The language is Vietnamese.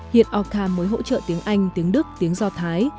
hiện orcam mới hỗ trợ tiếng anh tiếng đức tiếng do thái